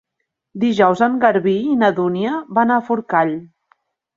Dijous en Garbí i na Dúnia van a Forcall.